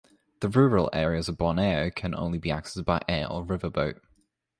The rural areas in Borneo can only be accessed by air or river boat.